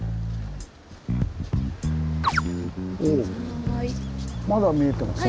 おおまだ見えてますね。